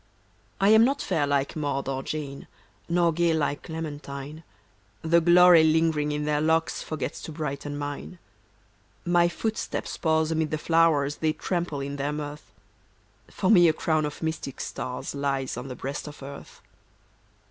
I am not fair like Maud and Jeanne, Nor gay like Clementine ; The glory lingering in their locks Forgets to brighten mine. My footsteps pause amid the flowers They trample in their mirth ; For me a crown of mystic stars Lies on the breast of earth.